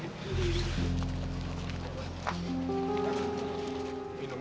jalan jalan jalan